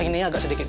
ini agak sedikit